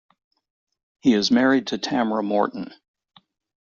He is married to Tamra Morton.